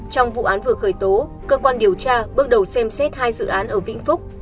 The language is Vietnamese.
trong vụ án vừa khởi tố cơ quan điều tra bước đầu xem xét hai dự án ở vĩnh phúc